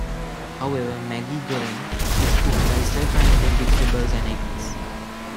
However, "Maggi goreng" is cooked by stir-frying them with vegetables and eggs.